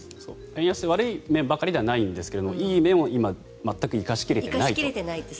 円安って悪い面ばかりではないんですがいい面を今全く生かし切れていないと。